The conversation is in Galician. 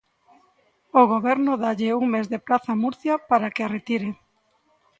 O Goberno dálle un mes de prazo a Murcia para que a retire.